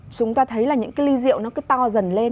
chúng ta thấy là những cái ly rượu nó cứ to dần lên